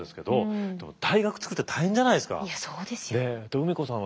梅子さん？